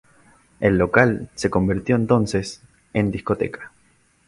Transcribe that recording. El local se convirtió entonces en discoteca.